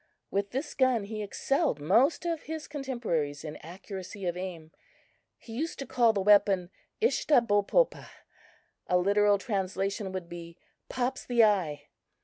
With this gun he excelled most of his contemporaries in accuracy of aim. He used to call the weapon Ishtahbopopa a literal translation would be "Pops the eye."